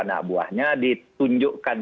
anak buahnya ditunjukkan